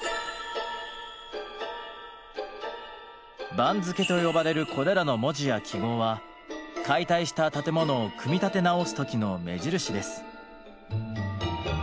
「番付」と呼ばれるこれらの文字や記号は解体した建物を組み立て直す時の目印です。